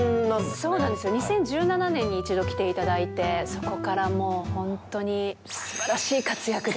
そうなんですよ、２０１７年に一度来ていただいて、そこからもう本当にすばらしい活躍で。